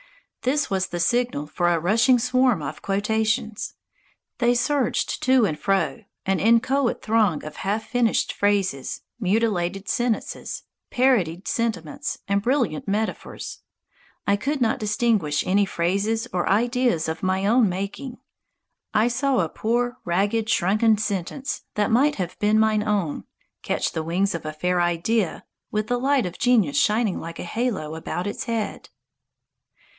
This was the signal for a rushing swarm of quotations. They surged to and fro, an inchoate throng of half finished phrases, mutilated sentences, parodied sentiments, and brilliant metaphors. I could not distinguish any phrases or ideas of my own making. I saw a poor, ragged, shrunken sentence that might have been mine own catch the wings of a fair idea with the light of genius shining like a halo about its head.